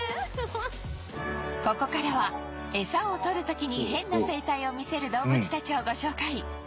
ここからはエサをとる時にヘンな生態を見せる動物たちをご紹介